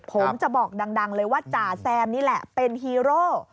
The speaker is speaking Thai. ผมจะบอกดังเลยว่าจ่าแซมนี่แหละเป็นฮีโร่